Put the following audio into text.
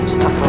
setafur apa sih